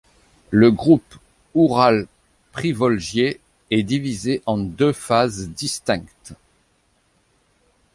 Le groupe Oural-Privoljié est divisé en deux phases distinctes.